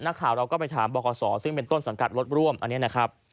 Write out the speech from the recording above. นักข่าวเราก็ไปถามบขซึ่งเป็นต้นสังกัดรถร่วมอันนี้นะครับ